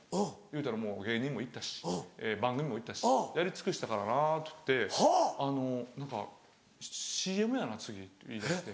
いうたらもう芸人も行ったし番組も行ったし「やり尽くしたからなぁ」って言ってあの何か「ＣＭやな次」って言いだして。